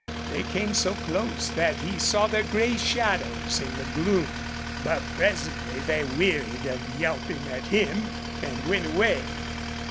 They came so close that he saw their gray shadows in the gloom. But presently they wearied of yelping at him and went away.